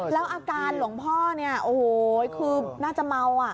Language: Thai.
แล้วอาการหลวงพ่อเนี่ยโอ้โหคือน่าจะเมาอ่ะ